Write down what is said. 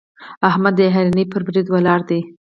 احمد د حيرانۍ پر بريد ولاړ دی.